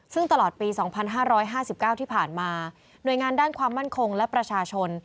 ซึ่งตลอดปี๒๕๕๙ที่ผ่านมาหน่วยงานด้านความมั่นคงและประชาชน